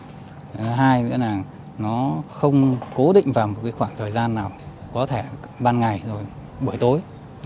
thứ hai nữa là nó không cố định vào một khoảng thời gian nào có thể ban ngày rồi buổi tối